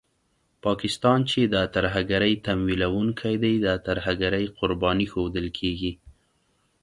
پاکستان چې د ترهګرۍ تمويلوونکی دی، د ترهګرۍ قرباني ښودل کېږي